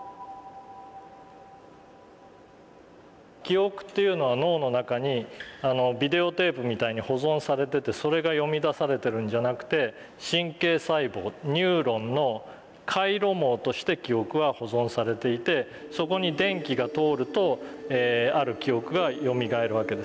記憶っていうのは脳の中にビデオテープみたいに保存されててそれが読みだされてるんじゃなくて神経細胞ニューロンの回路網として記憶は保存されていてそこに電気が通るとある記憶がよみがえるわけです。